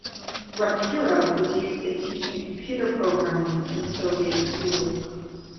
Rapira was used in teaching computer programming in Soviet schools.